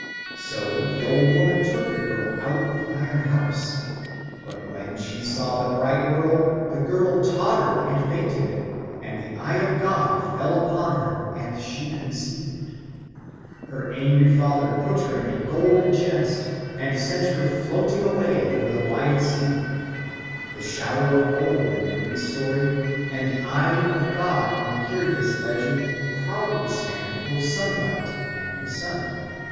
So the old woman took the girl out of the iron house. But when she saw the bright world, the girl tottered and fainted; and the eye of God fell upon her, and she conceived. Her angry father put her in a golden chest and sent her floating away (fairy gold can float in fairyland) over the wide sea. The shower of gold in the Greek story, and the eye of God in the Kirghiz legend, probably stand for sunlight and the sun.